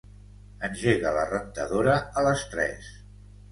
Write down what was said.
Engega la rentadora a les tres.